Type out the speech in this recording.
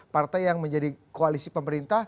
partai yang menjadi koalisi pemerintah